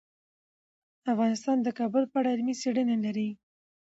افغانستان د کابل په اړه علمي څېړنې لري.